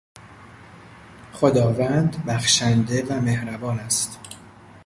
خداوند بخشنده و مهربان است.